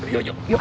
yuk yuk yuk